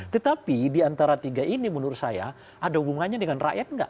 tetapi diantara tiga ini menurut saya ada hubungannya dengan rakyat nggak